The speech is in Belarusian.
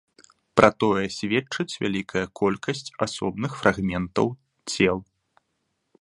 Пра тое сведчыць вялікая колькасць асобных фрагментаў цел.